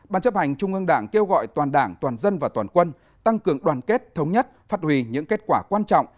ban chấp hành trung ương đảng kêu gọi toàn đảng toàn dân và toàn quân tăng cường đoàn kết thống nhất phát hủy những kết quả quan trọng